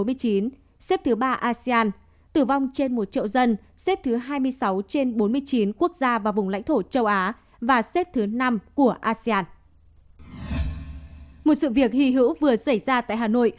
một sự việc hì hữu vừa xảy ra tại hà nội